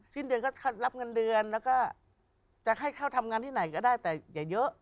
สิ้นเดือนก็รับเงินเดือนแล้วก็จะให้เข้าทำงานที่ไหนก็ได้แต่อย่าเยอะ